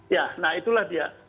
ya nah itulah dia